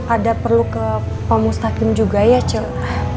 ada perlu ke pak mustaqim juga ya cek